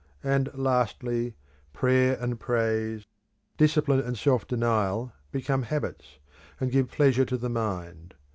And lastly, prayer and praise, discipline and self denial, become habits, and give pleasure to the mind.